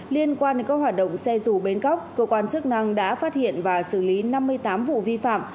liên quan đến các hoạt động xe dù bến cóc cơ quan chức năng đã phát hiện và xử lý năm mươi tám vụ vi phạm